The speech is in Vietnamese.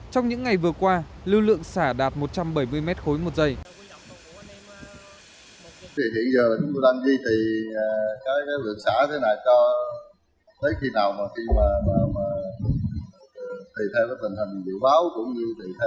trong những ngày vừa qua lưu lượng xả đạt một trăm bảy mươi mét khối một giây